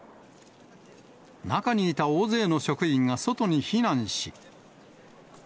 中にいた大勢の職員が外に避難し。